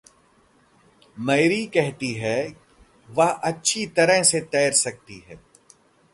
Mary कहती है कि वह अच्छी तरह से तैर सकती है।